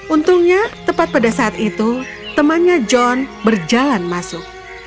untungnya tepat pada saat itu temannya john berjalan masuk